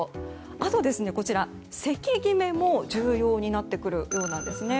あと、席決めも重要になってくるようです。